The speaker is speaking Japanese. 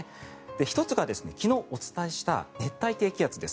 １つが昨日、お伝えした熱帯低気圧です。